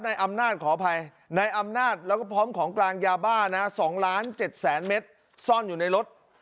นายอำนาจขออภัยนายอำนาจแล้วก็พร้อมของกลางยาบ้านะ๒ล้าน๗แสนเมตรซ่อนอยู่ในรถ